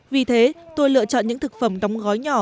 vì thế tôi lựa chọn những thực phẩm đóng gói nhỏ